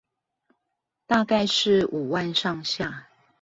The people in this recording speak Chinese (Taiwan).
大概是在五萬上下